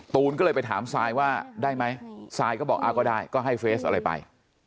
ตูนก็เลยไปถามซายว่าได้ไหมซายก็บอกก็ได้ก็ให้เฟสอะไรไป